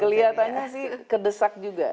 kelihatannya sih kedesak juga